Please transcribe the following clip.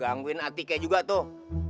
gangguin atike juga tuh